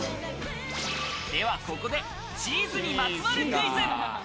では、ここでチーズにまつわるクイズ。